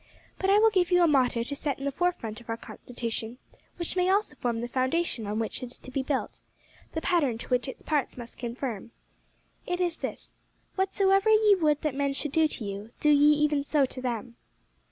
But I will give you a motto to set in the forefront of our constitution, which may also form the foundation on which it is to be built the pattern to which its parts must conform. It is this: `Whatsoever ye would that men should do to you, do ye even so to them.'"